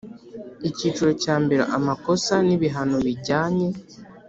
Icyiciro cya mbere Amakosa n ibihano bijyanye